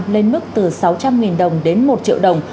lên mức từ sáu trăm linh đồng đến một triệu đồng